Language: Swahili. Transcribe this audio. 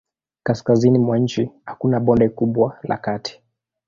Kaskazini mwa nchi hakuna bonde kubwa la kati.